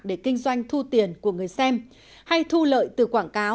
để kinh doanh thu tiền của người xem hay thu lợi từ quảng cáo